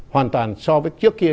hoàn toàn so với trước kia